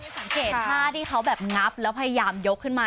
สังเกตท่าที่เขาแบบงับแล้วพยายามยกขึ้นมา